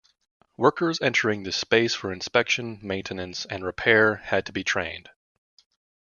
Workers entering this space for inspection, maintenance and repair had to be trained.